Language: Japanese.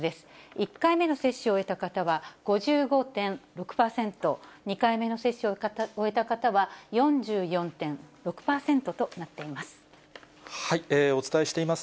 １回目の接種を終えた方は５５．６％、２回目の接種を終えた方は４４．６％となっています。